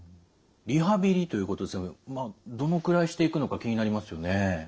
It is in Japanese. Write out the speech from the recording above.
リハビリということでしたけどどのくらいしていくのか気になりますよね。